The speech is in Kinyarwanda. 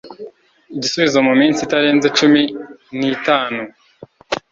igisubizo mu minsi itarenze cumi n itanu